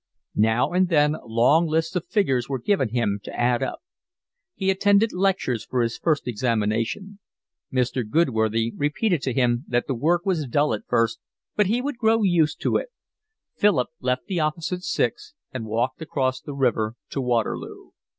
Now and then long lists of figures were given him to add up. He attended lectures for his first examination. Mr. Goodworthy repeated to him that the work was dull at first, but he would grow used to it. Philip left the office at six and walked across the river to Waterloo.